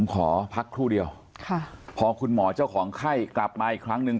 ขอพักครู่เดียวพอคุณหมอเจ้าของไข้กลับมาอีกครั้งหนึ่ง